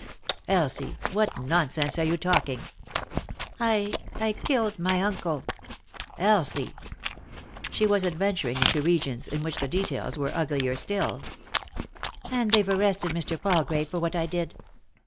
Elsie I What nonsense are you talking ?" "I— I killed my uncle." "Elsie I" She was adventuring into regions in which the details were uglier still " And they've arrested Mr. Palgrave for what I did."